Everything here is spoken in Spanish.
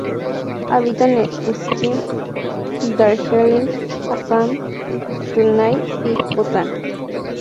Habita en Sikkim, Darjeeling, Assam, Yunnan y Bután.